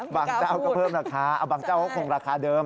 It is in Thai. เจ้าก็เพิ่มราคาเอาบางเจ้าก็คงราคาเดิม